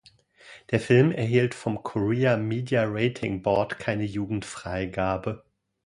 Der Film erhielt vom Korea Media Rating Board keine Jugendfreigabe.